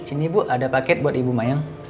ini bu ada paket buat ibu mayang